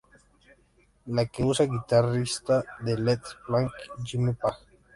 La que usa el guitarrista de Led Zeppelin Jimmy Page.